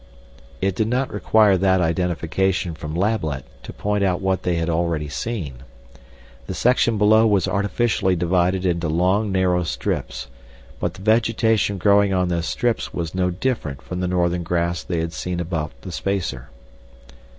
It did not require that identification from Lablet to point out what they had already seen. The section below was artificially divided into long narrow strips. But the vegetation growing on those strips was no different from the northern grass they had seen about the spacer.